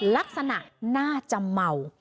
ลักษณะน่าจะเมา